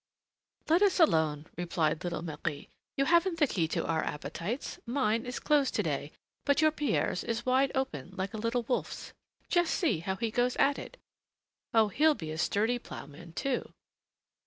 "Let us alone," replied little Marie, "you haven't the key to our appetites. Mine is closed to day, but your Pierre's is wide open, like a little wolf's. Just see how he goes at it! Oh! he'll be a sturdy ploughman, too!"